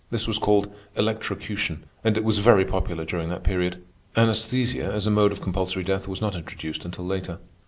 This was called electrocution, and it was very popular during that period. Anaesthesia, as a mode of compulsory death, was not introduced until later.